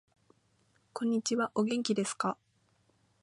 こんにちはお元気ですか